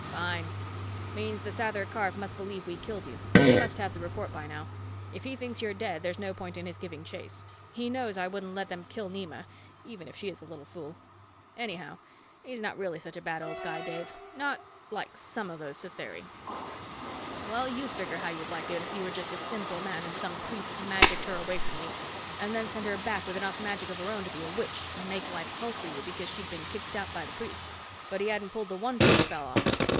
"Fine. Means the Sather Karf must believe we killed you he must have the report by now. If he thinks you're dead, there's no point in his giving chase; he knows I wouldn't let them kill Nema, even if she is a little fool. Anyhow, he's not really such a bad old guy, Dave not, like some of those Satheri. Well, you figure how you'd like it if you were just a simple man and some priest magicked her away from you and then sent her back with enough magic of her own to be a witch and make life hell for you because she'd been kicked out by the priest, but he hadn't pulled the wanting spell off her.